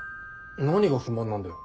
何が不満なんだよ？